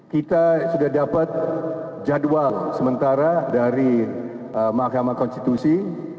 kita sudah dapat jadwal sementara dari mahkamah konstitusi